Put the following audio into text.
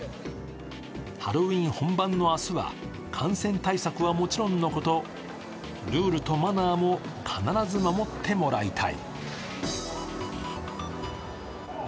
ハロウィーン本番の明日は、感染対策はもちろんのこと、ルールとマナーも必ず守ってもらいたい。